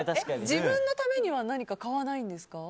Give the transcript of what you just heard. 自分のためには何か買わないんですか？